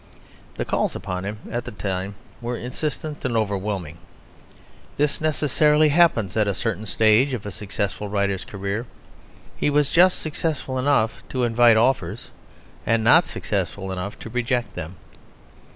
The calls upon him at this time were insistent and overwhelming; this necessarily happens at a certain stage of a successful writer's career. He was just successful enough to invite offers and not successful enough to reject them.